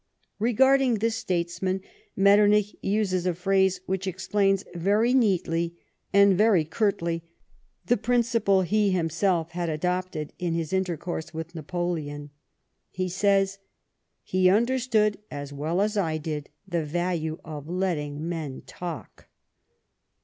Pegarding this statesman ]\Ietternich uses a phrase which explains very neatly and very curtly the principle he himself had adopted in his intercourse with Napoleon. He says :" He understood as well as I did the value of letting men talk."